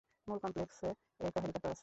মূল কমপ্লেক্সে একটা হেলিকপ্টার আছে।